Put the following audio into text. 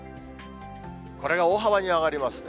これが大幅に上がりますね。